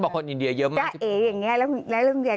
ก็บอกคนอินเดียเยอะมาก